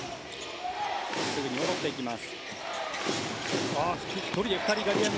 すぐに戻っていきます。